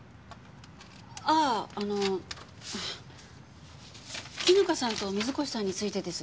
あああの絹香さんと水越さんについてです。